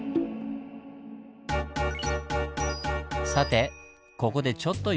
さてここでちょっと寄り道。